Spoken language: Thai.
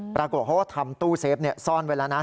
ปรากฏว่าทำตู้เซฟเนี่ยซ่อนไว้แล้วนะ